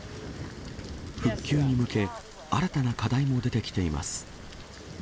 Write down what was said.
復旧に向け、新たな課題も出てきています。